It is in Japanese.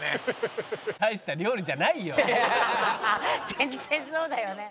全然そうだよね。